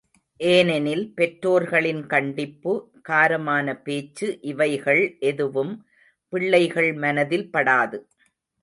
ஏனெனில் பெற்றோர்களின் கண்டிப்பு, காரமான பேச்சு இவைகள் எதுவும் பிள்ளைகள் மனதில் படாது.